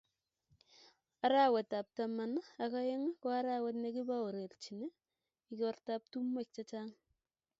arawetab taman ak aeng ko arawet nekibaorienjin ikortab tumwek chechang